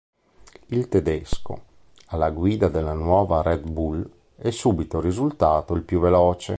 Il tedesco, alla guida della nuova Red Bull, è subito risultato il più veloce.